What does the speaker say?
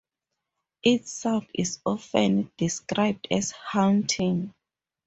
Its sound is often described as haunting.